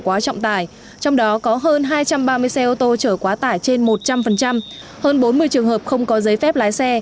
quá trọng tải trong đó có hơn hai trăm ba mươi xe ô tô chở quá tải trên một trăm linh hơn bốn mươi trường hợp không có giấy phép lái xe